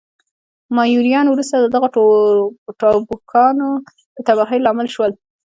مایوریان وروسته د دغو ټاپوګانو د تباهۍ لامل شول.